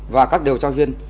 và các điều tra viên